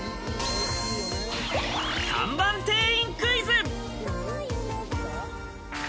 看板店員クイズ。